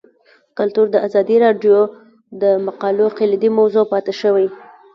کلتور د ازادي راډیو د مقالو کلیدي موضوع پاتې شوی.